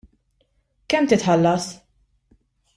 Kemm titħallas?